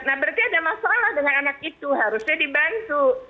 nah berarti ada masalah dengan anak itu harusnya dibantu